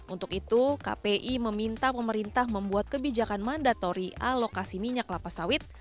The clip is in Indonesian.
untuk itu kpi meminta pemerintah membuat kebijakan mandatori alokasi minyak kelapa sawit